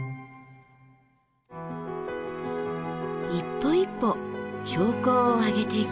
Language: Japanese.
一歩一歩標高を上げていく。